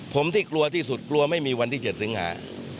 ผมที่กลัวที่สุดกลัวไม่มีวันที่๗สิงหา